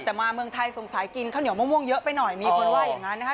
แต่มาเมืองไทยสงสัยกินข้าวเหนียวมะม่วงเยอะไปหน่อยมีคนว่าอย่างนั้นนะคะ